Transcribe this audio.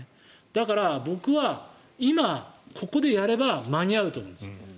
だから僕は、今、ここでやれば間に合うと思うんです。